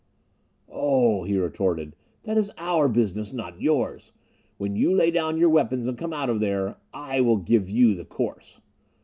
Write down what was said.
"Oh," he retorted, "that is our business, not yours. When you lay down your weapons and come out of there, I will give you the course."